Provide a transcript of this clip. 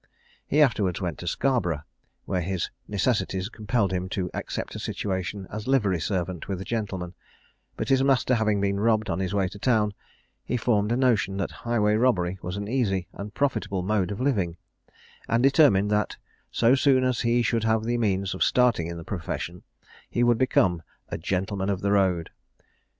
He afterwards went to Scarborough, where his necessities compelled him to accept a situation as livery servant with a gentleman; but his master having been robbed on his way to town, he formed a notion that highway robbery was an easy and profitable mode of living; and determined that so soon as he should have the means of starting in the profession, he would become a "gentleman of the road."